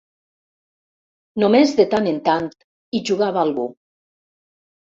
Només de tant en tant hi jugava algú.